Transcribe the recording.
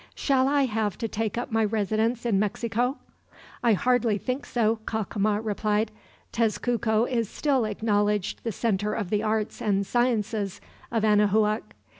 "Shall I have to take up my residence in Mexico?" "I hardly think so," Cacama replied. "Tezcuco is still acknowledged the center of the arts and sciences of Anahuac.